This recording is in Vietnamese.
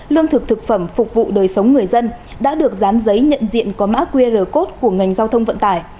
lương thực thực phẩm phục vụ đời sống người dân đã được dán giấy nhận diện có mã qr code của ngành giao thông vận tải